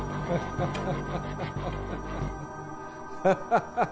ハハハハッ。